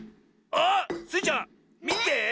あっ！スイちゃんみて。